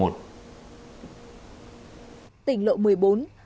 tỉnh lộ một mươi bốn đoạn qua huyện phú lâm